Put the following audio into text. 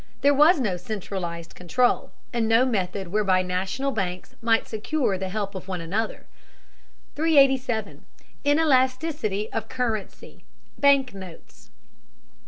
There was no centralized control, and no method whereby national banks might secure help of one another. 387. INELASTICITY OF CURRENCY (BANK NOTES).